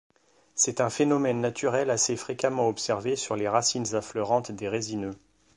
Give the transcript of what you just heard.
C'est un phénomène naturel assez fréquemment observé sur les racines affleurantes des résineux.